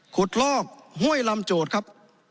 ลอกห้วยลำโจทย์ครับ